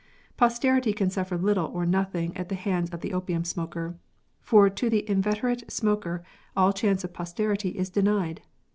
Posterity can suffer little or nothing at the hands of the opium smoker, for to the inveterate smoker all chance of posterity is denied.